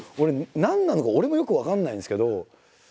何なのか俺もよく分かんないんですけど。